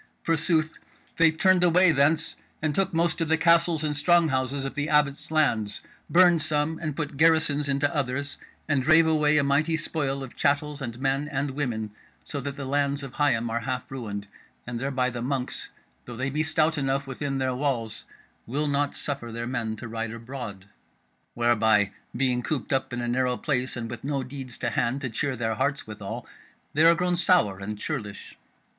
Forsooth, they turned away thence and took most of the castles and strong houses of the Abbot's lands; burned some and put garrisons into others, and drave away a mighty spoil of chattels and men and women, so that the lands of Higham are half ruined; and thereby the monks, though they be stout enough within their walls, will not suffer their men to ride abroad. Whereby, being cooped up in a narrow place, and with no deeds to hand to cheer their hearts withal, they are grown sour and churlish."